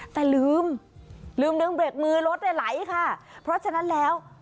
แต่ลืมลืมเบรกมือรถเนี่ยไหลค่ะเพราะฉะนั้นแล้ว